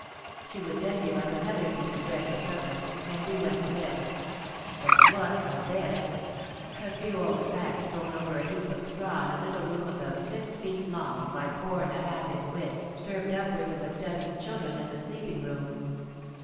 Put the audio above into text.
She would then give us each another piece of bread for supper, and we went to bed. But what a bed! A few old sacks thrown over a heap of straw in a little room about six feet long by four and a half in width, served upwards of a dozen children as a sleeping room.